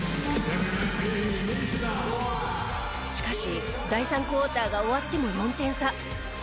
しかし第３クォーターが終わっても４点差。